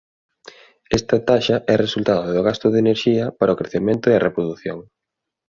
Esta taxa é resultado do gasto de enerxía para o crecemento e a reprodución.